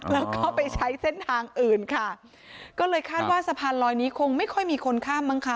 แล้วก็ไปใช้เส้นทางอื่นค่ะก็เลยคาดว่าสะพานลอยนี้คงไม่ค่อยมีคนข้ามมั้งค่ะ